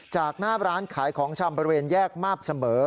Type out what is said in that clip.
จากหน้าร้านขายของชำบริเวณแยกมาบเสมอ